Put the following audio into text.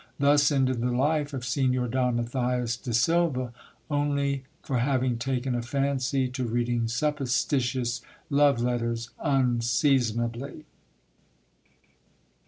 Thus ended the life of Signor Don Matthias de Silva, only for having taken a fancy to reading supposititious love letters un seasonably.